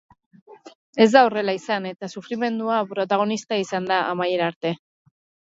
Ez da horrela izan eta sufrimendua protagonista izan da amaiera arte.